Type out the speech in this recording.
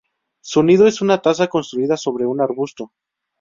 Su nido es una taza construida sobre un arbusto.